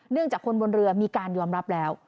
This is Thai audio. จากคนบนเรือมีการยอมรับแล้ว